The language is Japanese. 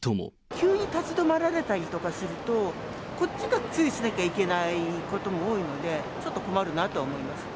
急に立ち止まられたりとかすると、こっちが注意しなきゃいけないことも多いので、ちょっと困るなとは思いますね。